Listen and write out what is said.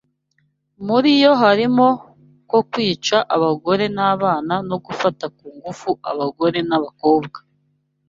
Muri yo harimo ko kwica abagore n’abana no gufata ku ngufu abagore n’abakobwa